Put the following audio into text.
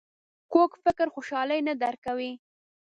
کوږ فکر خوشحالي نه درک کوي